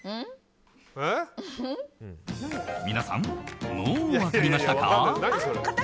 皆さん、もう分かりましたか。